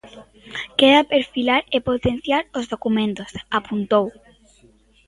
"Queda perfilar e potenciar os documentos", apuntou.